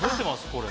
これ。